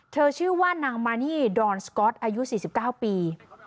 ชื่อว่านางมานี่ดอนสก๊อตอายุ๔๙ปี